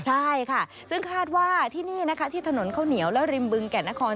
ใช่ค่ะซึ่งคาดว่าที่นี่นะคะที่ถนนข้าวเหนียวและริมบึงแก่นคร